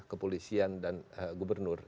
kepolisian dan gubernur